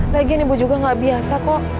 lagian ibu juga gak biasa kok